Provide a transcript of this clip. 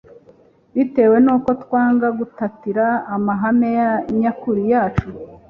bitewe nuko twanga gutatira amahame nyakuri yacu